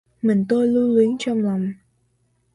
Mình tôi lưu luyến trong lòng.